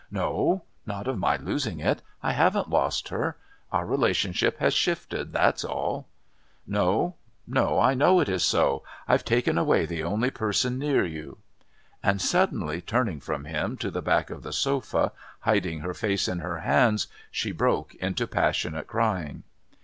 "No, not of my losing it. I haven't lost her. Our relationship has shifted, that's all." "No. No. I know it is so. I've taken away the only person near you." And suddenly turning from him to the back of the sofa, hiding her face in her hands, she broke into passionate crying.